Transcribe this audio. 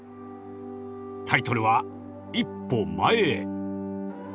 タイトルは「一歩前へ」。